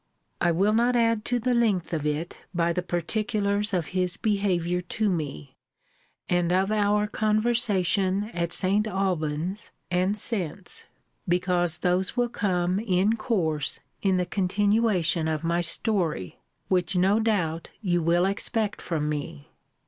I will not add to the length of it, by the particulars of his behaviour to me, and of our conversation at St. Alban's, and since; because those will come in course in the continuation of my story; which, no doubt, you will expect from me.